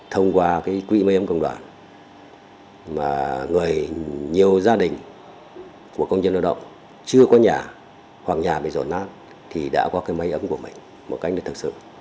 thông qua quỹ mây ấm công đoàn người nhiều gia đình của công nhân lao động chưa có nhà hoặc nhà bị rổ nát thì đã có cái máy ấm của mình một cách thật sự